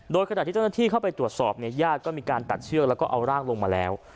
โดยขณะที่เจ้าหน้าที่เข้าไปตรวจสอบเนี่ยญาติก็มีการตัดเชือกแล้วก็เอาร่างลงมาแล้ว